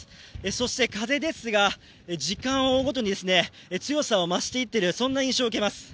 そして風ですが、時間を追うごとに強さを増していっている印象を受けます。